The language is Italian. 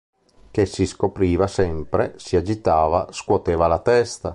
Che si scopriva sempre, si agitava, scuoteva la testa.